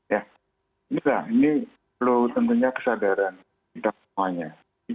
ya enggak ini perlu tentunya kesadaran kita semuanya